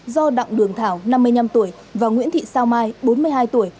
do đặng đường thảo năm mươi năm tuổi và nguyễn thị sao mai bốn mươi hai tuổi